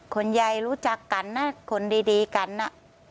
คนใหญ่รู้จักกันนะคนดีกันน่ะ